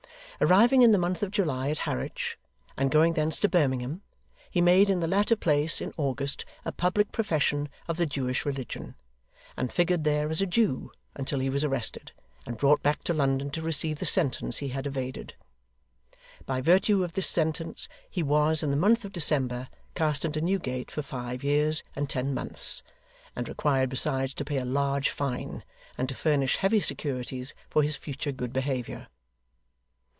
Arriving in the month of July at Harwich, and going thence to Birmingham, he made in the latter place, in August, a public profession of the Jewish religion; and figured there as a Jew until he was arrested, and brought back to London to receive the sentence he had evaded. By virtue of this sentence he was, in the month of December, cast into Newgate for five years and ten months, and required besides to pay a large fine, and to furnish heavy securities for his future good behaviour.